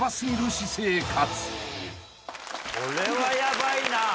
これはヤバいな。